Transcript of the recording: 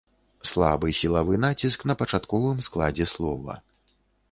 Слабы сілавы націск на пачатковым складзе слова.